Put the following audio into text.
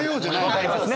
分かりますね。